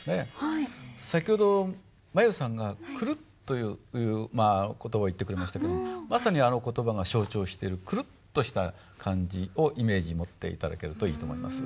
先ほど舞悠さんが「くるっ」という言葉を言ってくれましたけどもまさにあの言葉が象徴してるくるっとした感じをイメージ持って頂けるといいと思います。